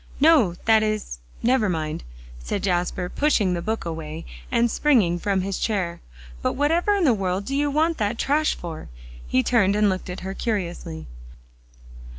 "No that is never mind," said Jasper, pushing the book away and springing from his chair. "But whatever in the world do you want that trash for?" He turned, and looked at her curiously.